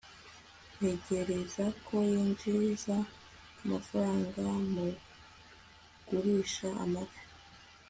ntekereza ko yinjiza amafaranga mugurisha amafi